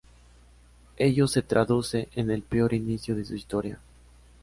Ello se traduce en el peor inicio de su historia.